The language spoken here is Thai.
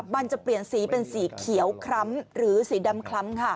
มันจะเปลี่ยนสีเป็นสีเขียวคล้ำหรือสีดำคล้ำ